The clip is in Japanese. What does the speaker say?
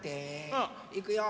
うん！いくよ！